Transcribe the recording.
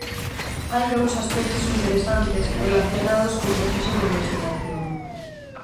Hai dous aspectos interesantes relacionados co proceso de investigación.